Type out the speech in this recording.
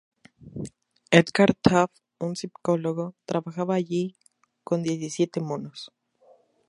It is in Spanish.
Edward Taub, un psicólogo, trabajaba allí con diecisiete monos.